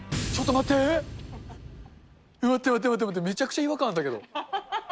待って待って待って、めちゃくちゃ違和感あるんだけど。